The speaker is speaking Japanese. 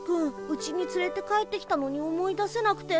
うちにつれて帰ってきたのに思い出せなくて。